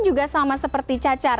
juga sama seperti cacar